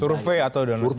survei atau dan sebagainya